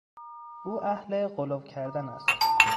او اهل غلو کردن است.